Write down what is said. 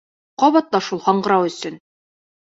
Ҡабатла шул һаңғырау өсөн!